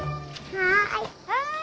はい。